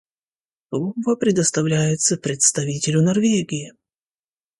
Слово предоставляется представителю Норвегии.